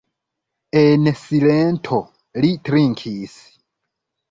En silento li trinkis.